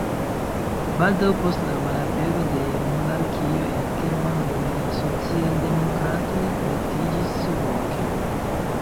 Baldaŭ post la malapero de monarkio en Germanujo la socialdemokratoj kolektiĝis surloke.